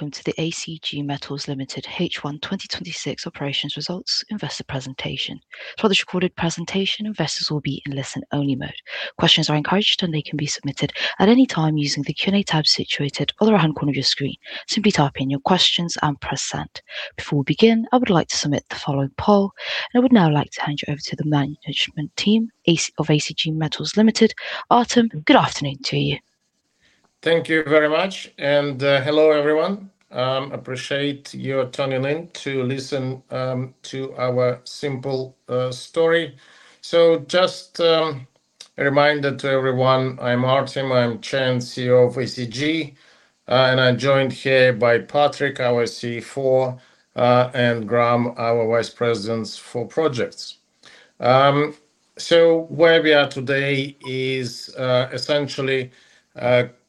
Welcome to the ACG Metals Limited H1 2026 operations results investor presentation. Throughout this recorded presentation, investors will be in listen-only mode. Questions are encouraged, and they can be submitted at any time using the Q&A tab situated on the right-hand corner of your screen. Simply type in your questions and press send. Before we begin, I would like to submit the following poll. I would now like to hand you over to the management team of ACG Metals Limited. Artem, good afternoon to you. Thank you very much. Hello, everyone. Appreciate you tuning in to listen to our simple story. Just a reminder to everyone, I'm Artem. I'm Chair and CEO of ACG. I'm joined here by Patrick, our CFO, and Graeme, our Vice President for Projects. Where we are today is essentially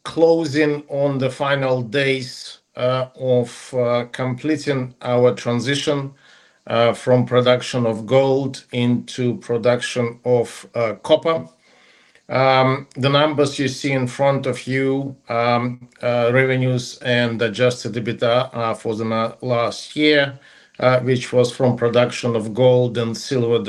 closing on the final days of completing our transition from production of gold into production of copper. The numbers you see in front of you, revenues and adjusted EBITDA for the last year, which was from production of gold and silver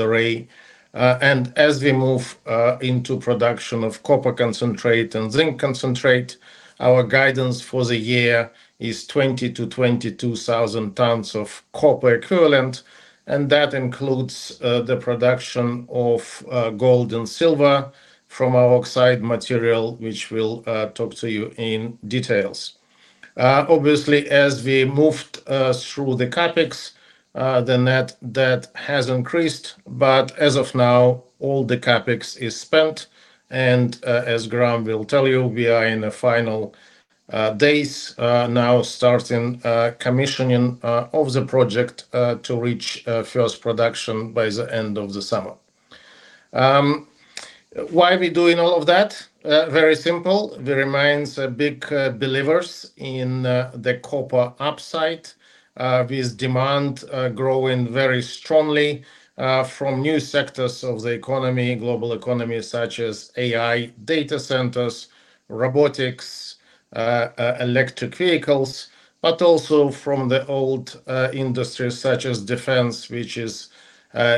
doré. As we move into production of copper concentrate and zinc concentrate, our guidance for the year is 20,000-22,000 tonnes of copper equivalent, and that includes the production of gold and silver from our oxide material, which we'll talk to you in details. As we moved through the CapEx, the net debt has increased. As of now, all the CapEx is spent, and as Graeme will tell you, we are in the final days now, starting commissioning of the project to reach first production by the end of the summer. Why are we doing all of that? Very simple. We remain big believers in the copper upside, with demand growing very strongly from new sectors of the economy, global economy, such as AI, data centers, robotics, electric vehicles, but also from the old industries such as defense, which is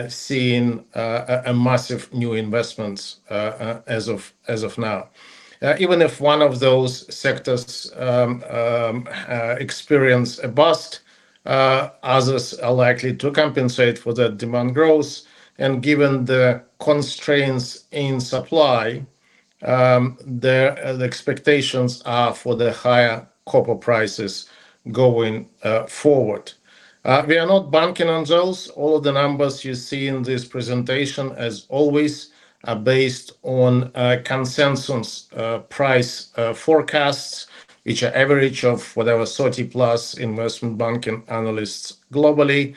seeing a massive new investments as of now. Even if one of those sectors experience a bust, others are likely to compensate for the demand growth. Given the constraints in supply, the expectations are for the higher copper prices going forward. We are not banking on those. All of the numbers you see in this presentation, as always, are based on consensus price forecasts, which are average of whatever 30+ investment banking analysts globally.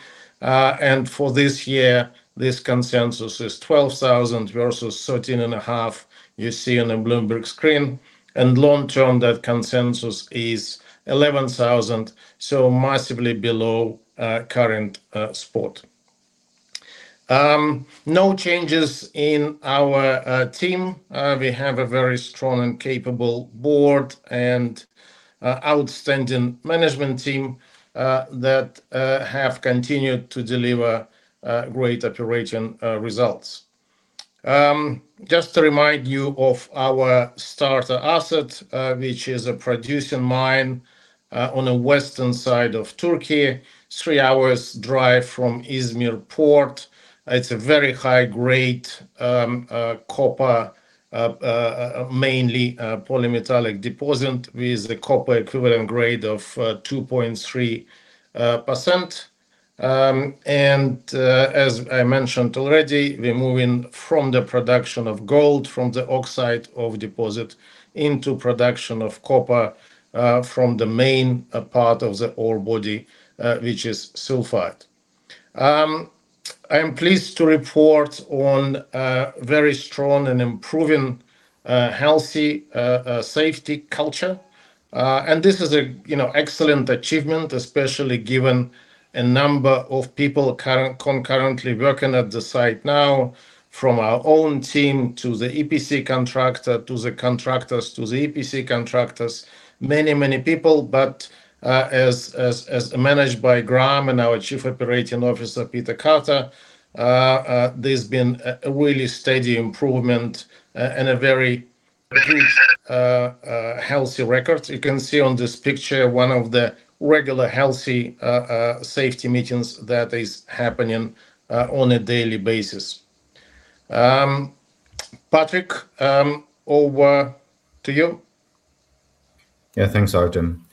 For this year, this consensus is $12,000 versus $13.500 you see on the Bloomberg screen. Long term, that consensus is $11,000, so massively below current spot. No changes in our team. We have a very strong and capable board and outstanding management team that have continued to deliver great operating results. Just to remind you of our starter asset, which is a producing mine on the western side of Turkey, three hours drive from Izmir Port. It's a very high-grade copper, mainly polymetallic deposit with a copper equivalent grade of 2.3%. As I mentioned already, we're moving from the production of gold from the oxide of deposit into production of copper from the main part of the ore body, which is sulfide. I am pleased to report on a very strong and improving healthy safety culture. This is an excellent achievement, especially given a number of people concurrently working at the site now, from our own team to the EPC contractor, to the contractors, to the EPC contractors. Many, many people. As managed by Graeme and our Chief Operating Officer, Peter Carter, there's been a really steady improvement and a very great healthy record. You can see on this picture one of the regular healthy safety meetings that is happening on a daily basis. Patrick, over to you. Yeah. Thanks, Artem.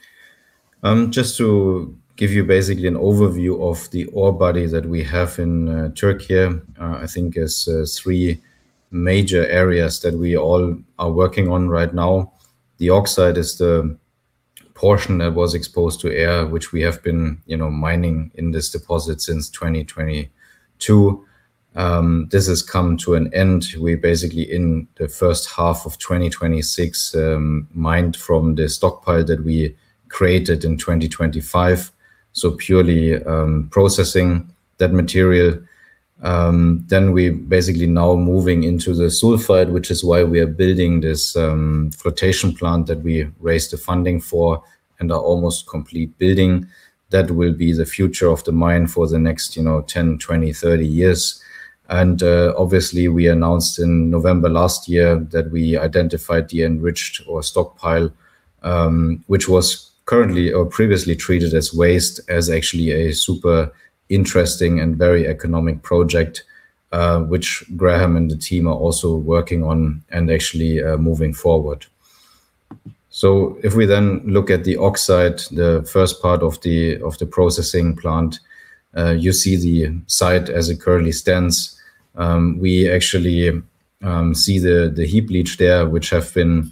Just to give you basically an overview of the ore body that we have in Turkey, I think is three major areas that we all are working on right now. The oxide is the portion that was exposed to air, which we have been mining in this deposit since 2022. This has come to an end. We're basically in the H1 of 2026 mined from the stockpile that we created in 2025. Purely processing that material. We basically now moving into the sulfide, which is why we are building this flotation plant that we raised the funding for and are almost complete building. That will be the future of the mine for the next 10, 20, 30 years. Obviously, we announced in November last year that we identified the enriched ore stockpile, which was currently or previously treated as waste as actually a super interesting and very economic project, which Graeme and the team are also working on and actually moving forward. If we then look at the oxide, the first part of the processing plant, you see the site as it currently stands. We actually see the heap leach there, which have been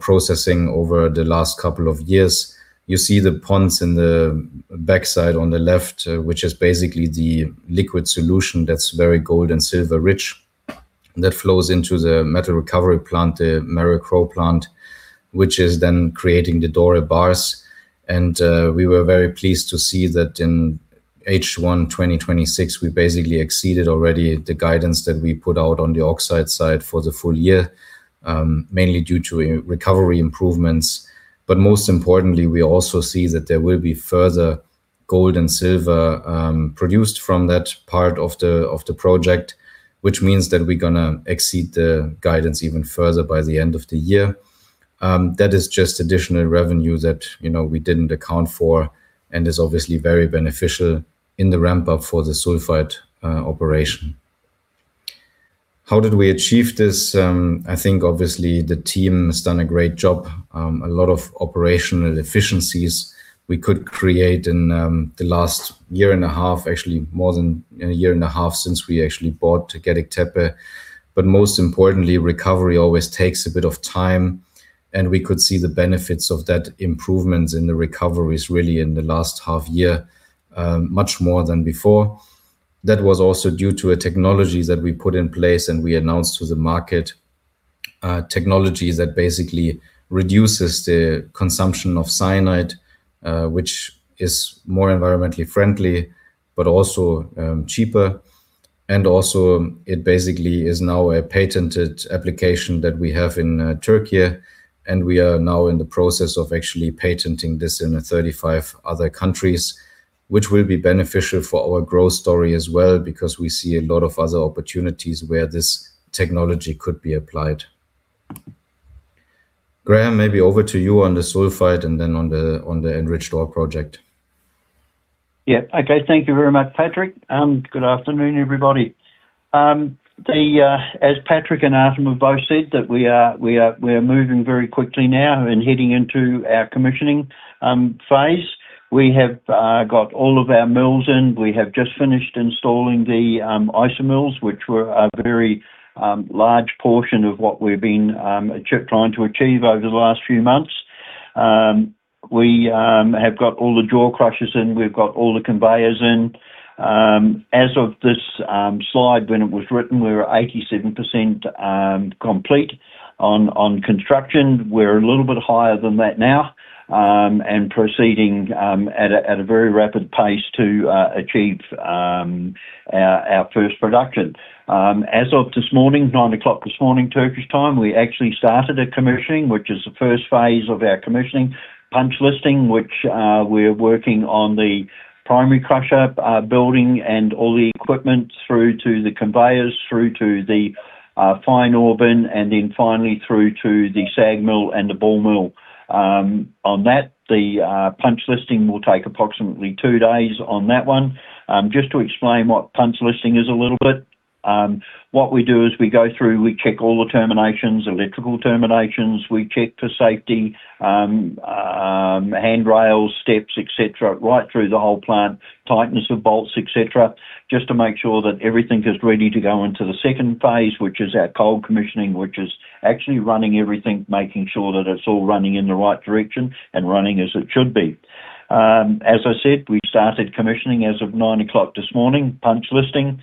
processing over the last couple of years. You see the ponds in the backside on the left, which is basically the liquid solution that's very gold and silver rich, that flows into the metal recovery plant, the Merrill-Crowe plant, which is then creating the doré bars. We were very pleased to see that in H1 2026, we basically exceeded already the guidance that we put out on the oxide side for the full year, mainly due to recovery improvements. Most importantly, we also see that there will be further gold and silver produced from that part of the project, which means that we're going to exceed the guidance even further by the end of the year. That is just additional revenue that we didn't account for and is obviously very beneficial in the ramp-up for the sulfide operation. How did we achieve this? I think obviously the team has done a great job. A lot of operational efficiencies we could create in the last year and a half, actually more than a year and a half, since we actually bought Gediktepe. Most importantly, recovery always takes a bit of time, and we could see the benefits of that improvements in the recoveries really in the last half year, much more than before. That was also due to a technology that we put in place and we announced to the market. A technology that basically reduces the consumption of cyanide, which is more environmentally friendly, but also cheaper. It basically is now a patented application that we have in Türkiye, and we are now in the process of actually patenting this in 35 other countries, which will be beneficial for our growth story as well, because we see a lot of other opportunities where this technology could be applied. Graeme, maybe over to you on the sulfide and then on the enriched ore project. Yeah. Okay. Thank you very much, Patrick. Good afternoon, everybody. As Patrick and Artem have both said that we are moving very quickly now and heading into our commissioning phase. We have got all of our mills in. We have just finished installing the IsaMills, which were a very large portion of what we've been trying to achieve over the last few months. We have got all the jaw crushers in, we've got all the conveyors in. As of this slide, when it was written, we were 87% complete on construction. We're a little bit higher than that now, proceeding at a very rapid pace to achieve our first production. As of this morning, 9:00 A.M. this morning, Turkish time, we actually started a commissioning, which is the first phase of our commissioning, punch listing, which we're working on the primary crusher building and all the equipment through to the conveyors, through to the fine ore bin, and then finally through to the SAG mill and the ball mill. On that, the punch listing will take approximately two days on that one. Just to explain what punch listing is a little bit. What we do is we go through, we check all the terminations, electrical terminations, we check for safety, handrails, steps, et cetera, right through the whole plant, tightness of bolts, et cetera, just to make sure that everything is ready to go into the phase 2, which is our cold commissioning, which is actually running everything, making sure that it's all running in the right direction and running as it should be. As I said, we've started commissioning as of 9:00 A.M. this morning, punch listing.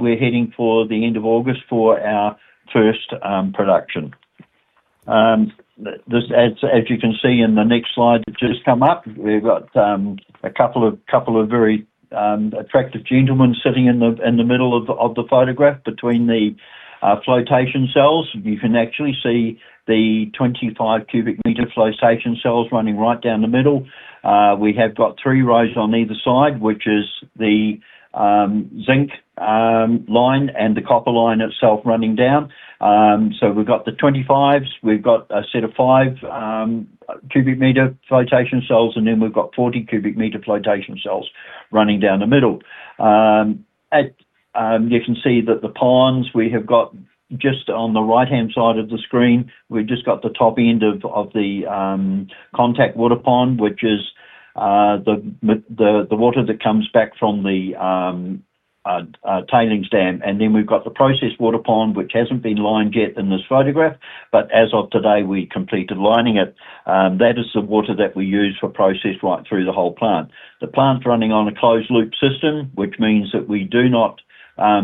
We're heading for the end of August for our first production. As you can see in the next slide that just come up, we've got a couple of very attractive gentlemen sitting in the middle of the photograph between the flotation cells. You can actually see the 25 cubic meter flotation cells running right down the middle. We have got three rows on either side, which is the zinc line and the copper line itself running down. We've got the 25s, we've got a set of 5 cubic meter flotation cells, and then we've got 40 cubic meter flotation cells running down the middle. You can see that the ponds we have got just on the right-hand side of the screen. We've just got the top end of the contact water pond, which is the water that comes back from the tailings dam. We've got the process water pond, which hasn't been lined yet in this photograph. As of today, we completed lining it. That is the water that we use for process right through the whole plant. The plant's running on a closed-loop system, which means that we do not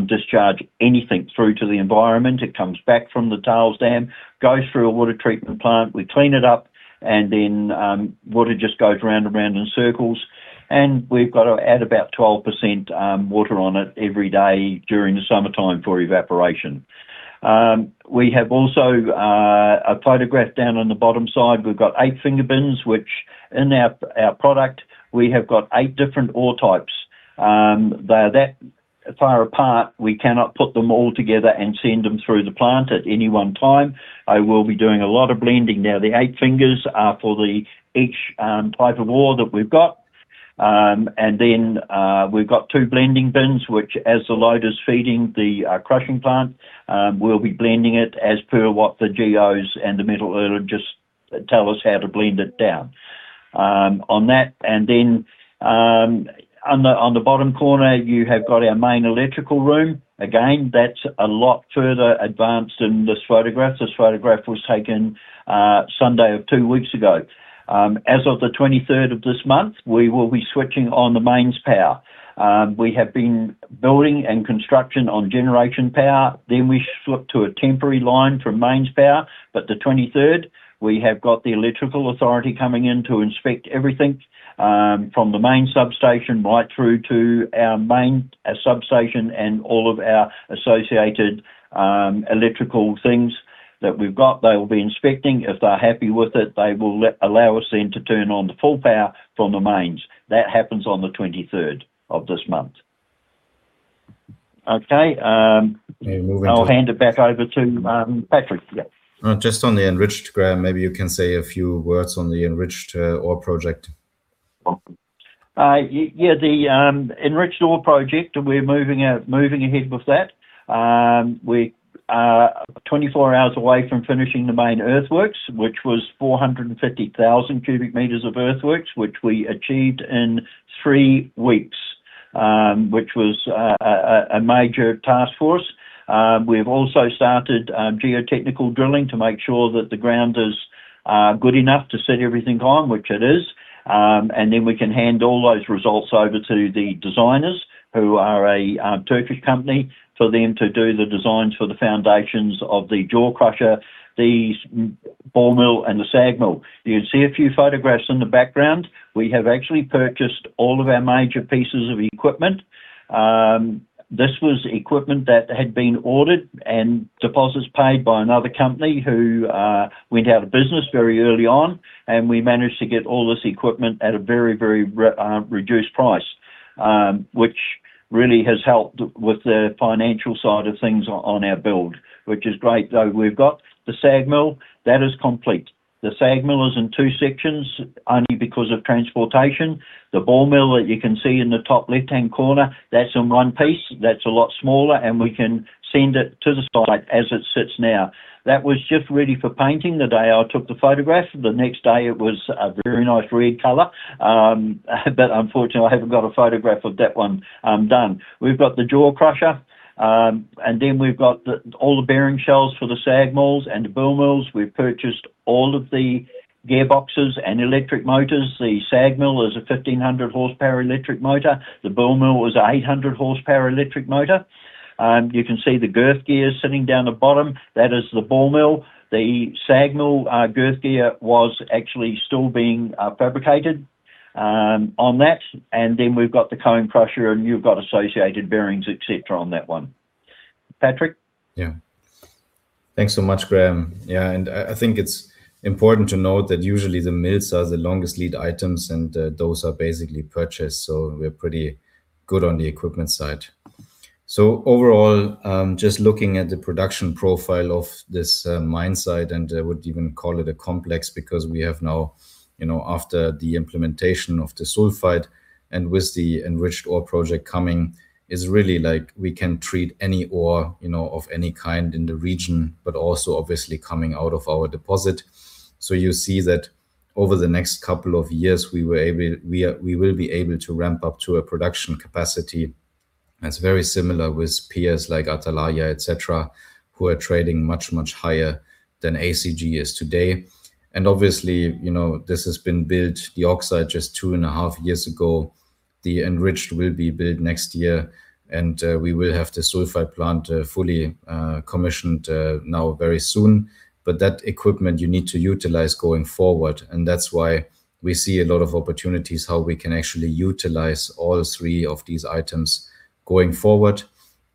discharge anything through to the environment. It comes back from the tailings dam, goes through a water treatment plant, we clean it up, water just goes round and round in circles. We've got to add about 12% water on it every day during the summertime for evaporation. We have also a photograph down on the bottom side. We've got eight finger bins, which in our product, we have got eight different ore types. They are that far apart, we cannot put them all together and send them through the plant at any one time. I will be doing a lot of blending. The eight fingers are for each type of ore that we've got. We've got two blending bins, which as the load is feeding the crushing plant, we'll be blending it as per what the geos and the metallurgist tell us how to blend it down. On that, on the bottom corner, you have got our main electrical room. Again, that's a lot further advanced in this photograph. This photograph was taken Sunday of two weeks ago. As of the 23rd of this month, we will be switching on the mains power. We have been building and construction on generation power. We flip to a temporary line from mains power. The 23rd, we have got the electrical authority coming in to inspect everything, from the main substation right through to our main substation and all of our associated electrical things that we've got. They'll be inspecting. If they're happy with it, they will allow us then to turn on the full power from the mains. That happens on the 23rd of this month. Moving to. I'll hand it back over to Patrick. Yeah. Just on the enriched, Graeme, maybe you can say a few words on the enriched ore project. Yeah. The enriched ore project, we're moving ahead with that. We are 24 hours away from finishing the main earthworks, which was 450,000 cubic meters of earthworks, which we achieved in three weeks, which was a major task for us. We have also started geotechnical drilling to make sure that the ground is good enough to set everything on, which it is. Then we can hand all those results over to the designers, who are a Turkish company, for them to do the designs for the foundations of the jaw crusher, the ball mill, and the SAG mill. You can see a few photographs in the background. We have actually purchased all of our major pieces of equipment. This was equipment that had been ordered and deposits paid by another company who went out of business very early on. We managed to get all this equipment at a very, very reduced price, which really has helped with the financial side of things on our build, which is great, though we've got the SAG mill. That is complete. The SAG mill is in two sections only because of transportation. The ball mill that you can see in the top left-hand corner, that's in one piece. That's a lot smaller, and we can send it to the site as it sits now. That was just ready for painting the day I took the photograph. The next day it was a very nice red color. Unfortunately, I haven't got a photograph of that one done. We've got the jaw crusher, and then we've got all the bearing shells for the SAG mills and the ball mills. We've purchased all of the gearboxes and electric motors. The SAG mill is a 1,500 horsepower electric motor. The ball mill is an 800 horsepower electric motor. You can see the girth gear sitting down the bottom. That is the ball mill. The SAG mill girth gear was actually still being fabricated on that. We've got the cone crusher, and you've got associated bearings, et cetera, on that one. Patrick? Thanks so much, Graeme. I think it's important to note that usually the mills are the longest lead items, and those are basically purchased, we're pretty good on the equipment side. Overall, just looking at the production profile of this mine site, I would even call it a complex because we have now, after the implementation of the sulfide and with the enriched ore project coming, is really like we can treat any ore of any kind in the region, but also obviously coming out of our deposit. You see that over the next couple of years, we will be able to ramp up to a production capacity that's very similar with peers like Atalaya, et cetera, who are trading much, much higher than ACG is today. This has been built, the oxide just two and a half years ago. The enriched will be built next year. We will have the sulfide plant fully commissioned now very soon. That equipment you need to utilize going forward, and that's why we see a lot of opportunities how we can actually utilize all three of these items going forward.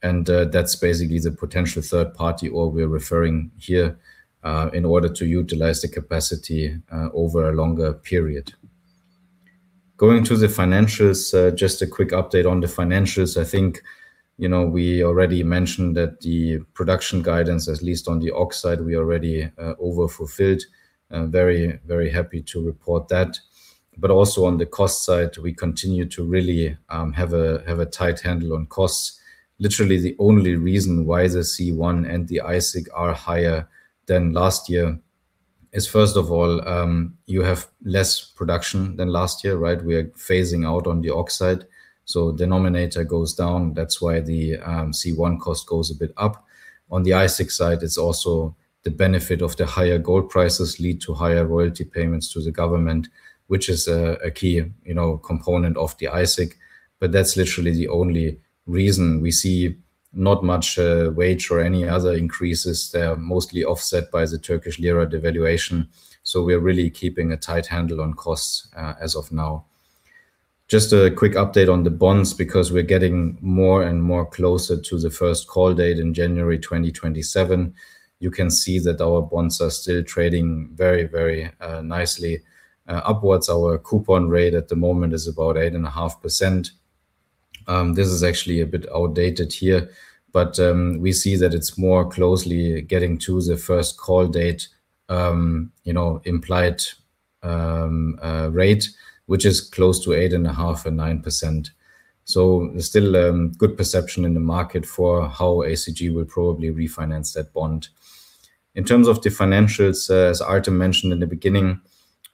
That's basically the potential third party ore we're referring here, in order to utilize the capacity over a longer period. Going to the financials. Just a quick update on the financials. I think we already mentioned that the production guidance, at least on the oxide, we already overfulfilled. Very happy to report that. Also on the cost side, we continue to really have a tight handle on costs. Literally, the only reason why the C1 and the AISC are higher than last year is first of all, you have less production than last year, right? We are phasing out on the oxide, denominator goes down. That's why the C1 cost goes a bit up. On the AISC side, it's also the benefit of the higher gold prices lead to higher royalty payments to the government, which is a key component of the AISC. That's literally the only reason we see. Not much wage or any other increases. They are mostly offset by the Turkish lira devaluation. We are really keeping a tight handle on costs as of now. Just a quick update on the bonds, because we're getting more and more closer to the first call date in January 2027. You can see that our bonds are still trading very nicely upwards. Our coupon rate at the moment is about 8.5%. This is actually a bit outdated here, but we see that it's more closely getting to the first call date, implied rate, which is close to 8.5% and 9%. There's still good perception in the market for how ACG will probably refinance that bond. In terms of the financials, as Artem mentioned in the beginning,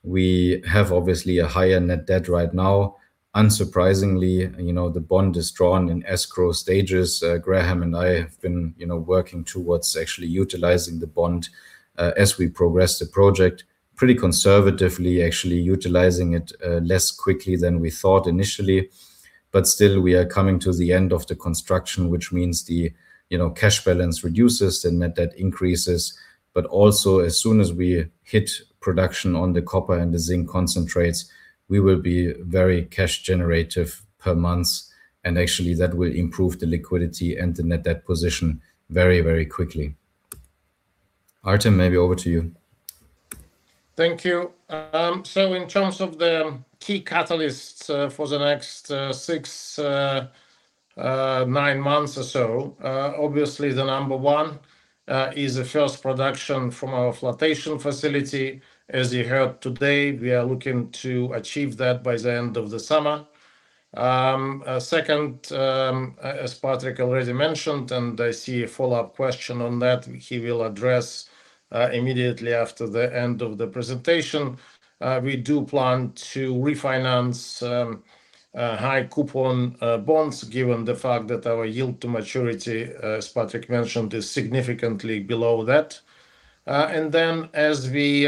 we have obviously a higher net debt right now. Unsurprisingly, the bond is drawn in escrow stages. Graeme and I have been working towards actually utilizing the bond as we progress the project pretty conservatively, actually utilizing it less quickly than we thought initially. Still, we are coming to the end of the construction, which means the cash balance reduces, the net debt increases. Also as soon as we hit production on the copper and the zinc concentrates, we will be very cash generative per month. Actually that will improve the liquidity and the net debt position very quickly. Artem, maybe over to you. Thank you. In terms of the key catalysts for the next six, nine months or so, obviously the number one is the first production from our flotation facility. As you heard today, we are looking to achieve that by the end of the summer. Second, as Patrick already mentioned, I see a follow-up question on that he will address immediately after the end of the presentation. We do plan to refinance high coupon bonds given the fact that our yield to maturity, as Patrick mentioned, is significantly below that. Then as we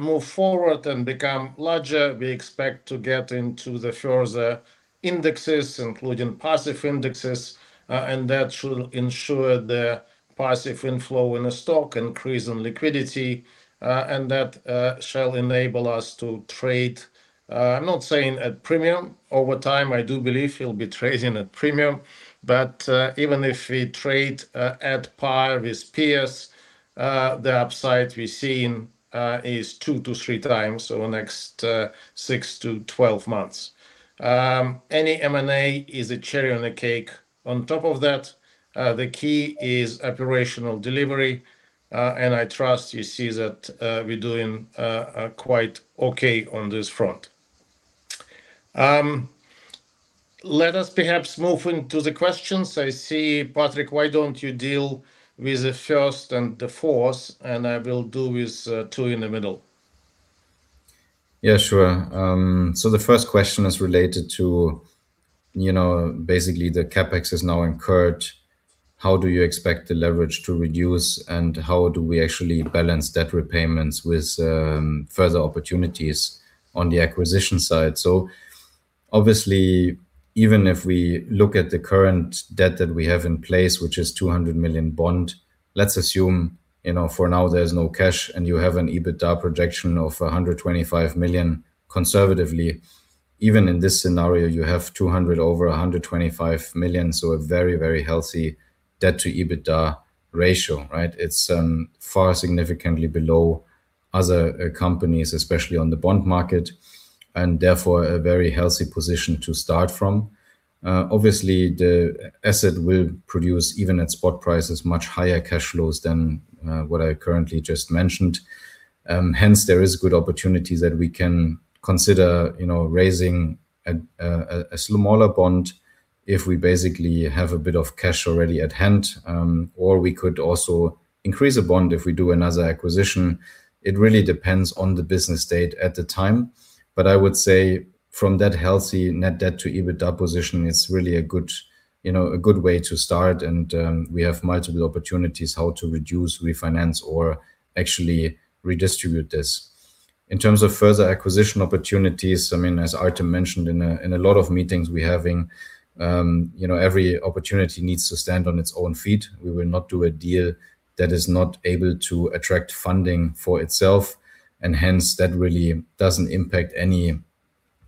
move forward and become larger, we expect to get into the further indexes, including passive indexes. That should ensure the passive inflow in the stock increase in liquidity. That shall enable us to trade, I'm not saying at premium. Over time, I do believe we'll be trading at premium, but even if we trade at par with peers, the upside we're seeing is two to three times over the next 6-12 months. Any M&A is a cherry on the cake. On top of that, the key is operational delivery, and I trust you see that we're doing quite okay on this front. Let us perhaps move into the questions. I see, Patrick, why don't you deal with the first and the fourth, and I will deal with two in the middle. Yeah, sure. The first question is related to basically the CapEx is now incurred. How do you expect the leverage to reduce and how do we actually balance debt repayments with further opportunities on the acquisition side? Obviously, even if we look at the current debt that we have in place, which is a $200 million bond, let's assume, for now, there is no cash, and you have an EBITDA projection of $125 million conservatively. Even in this scenario, you have $200 over $125 million, so a very healthy debt to EBITDA ratio, right? It is far significantly below other companies, especially on the bond market, and therefore, a very healthy position to start from. Obviously, the asset will produce, even at spot prices, much higher cash flows than what I currently just mentioned. There is good opportunities that we can consider raising a smaller bond if we basically have a bit of cash already at hand. We could also increase a bond if we do another acquisition. It really depends on the business state at the time. I would say from that healthy net debt to EBITDA position, it is really a good way to start. We have multiple opportunities how to reduce, refinance, or actually redistribute this. In terms of further acquisition opportunities, as Artem mentioned in a lot of meetings we are having, every opportunity needs to stand on its own feet. We will not do a deal that is not able to attract funding for itself, and hence that really doesn't impact any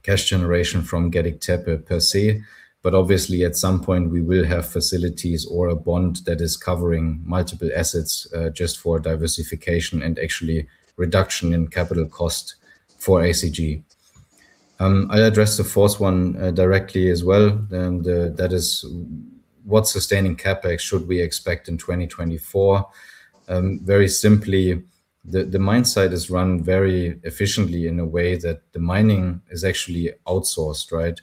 cash generation from Gediktepe per se. Obviously, at some point we will have facilities or a bond that is covering multiple assets, just for diversification and actually reduction in capital cost for ACG. I will address the fourth one directly as well, and that is what sustaining CapEx should we expect in 2024? Very simply, the mine site is run very efficiently in a way that the mining is actually outsourced, right?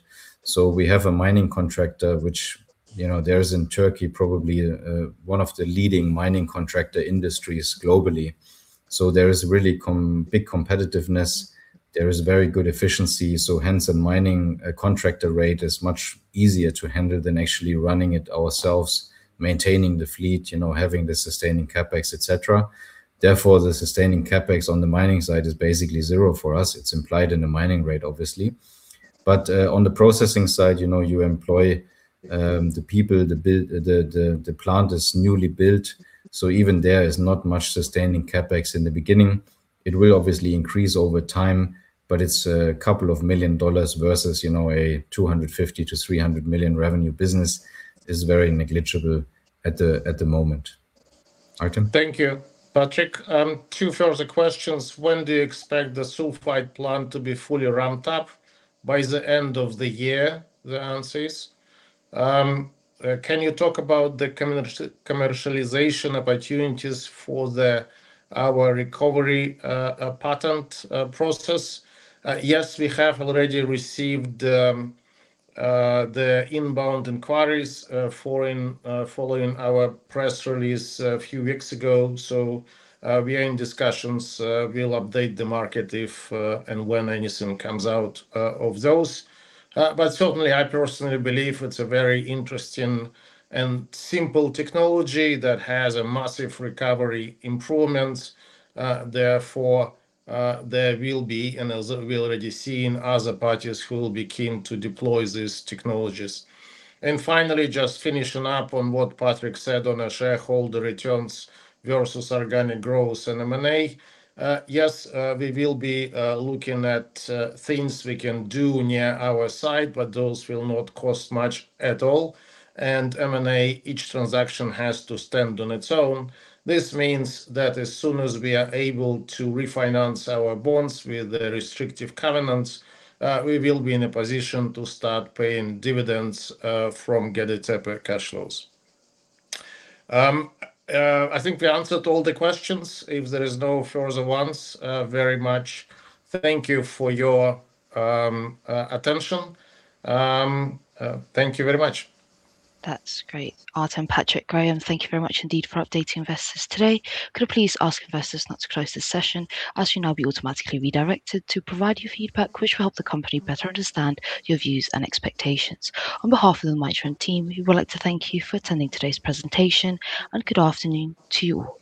We have a mining contractor, which there is in Turkey, probably one of the leading mining contractor industries globally. There is really big competitiveness. There is very good efficiency. A mining contractor rate is much easier to handle than actually running it ourselves, maintaining the fleet, having the sustaining CapEx, et cetera. Therefore, the sustaining CapEx on the mining side is basically zero for us. It is implied in the mining rate, obviously. On the processing side, you employ the people, the plant is newly built, even there is not much sustaining CapEx in the beginning. It will obviously increase over time, but it is a couple of million dollars versus a $250 million-$300 million revenue business is very negligible at the moment. Artem? Thank you. Patrick, two further questions. When do you expect the sulfide plant to be fully ramped up? By the end of the year, the answer is. Can you talk about the commercialization opportunities for our recovery patent process? Yes, we have already received the inbound inquiries following our press release a few weeks ago, so we are in discussions. We'll update the market if and when anything comes out of those. Certainly, I personally believe it's a very interesting and simple technology that has a massive recovery improvement. Therefore, there will be, and as we've already seen, other parties who will be keen to deploy these technologies. Finally, just finishing up on what Patrick said on our shareholder returns versus organic growth and M&A. Yes, we will be looking at things we can do near our side, but those will not cost much at all. M&A, each transaction has to stand on its own. This means that as soon as we are able to refinance our bonds with the restrictive covenants, we will be in a position to start paying dividends from Gediktepe cash flows. I think we answered all the questions. If there is no further ones, very much thank you for your attention. Thank you very much. That's great. Artem, Patrick, Graeme, thank you very much indeed for updating investors today. Could I please ask investors not to close this session, as you'll now be automatically redirected to provide your feedback, which will help the company better understand your views and expectations. On behalf of the Mitron team, we would like to thank you for attending today's presentation, and good afternoon to you all.